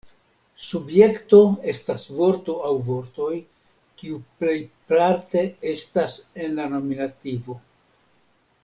Subjekto estas vorto aŭ vortoj kiu plejparte estas en la nominativo.